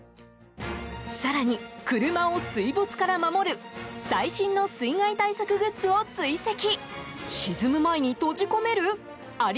更に、車を水没から守る最新の水害対策グッズを追跡。